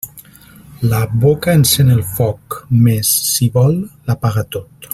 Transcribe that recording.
La boca encén el foc, mes, si vol, l'apaga tot.